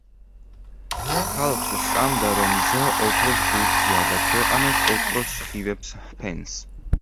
ხალხს სწამდა, რომ მზე ოქროს ბურთია და ქვეყანას ოქროს სხივებს ჰფენს.